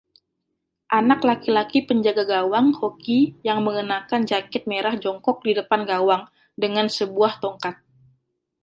Anak laki-laki penjaga gawang hoki yang mengenakan jaket merah jongkok di depan gawang, dengan sebuah tongkat.